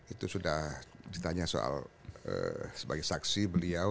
itu sudah ditanya soal sebagai saksi beliau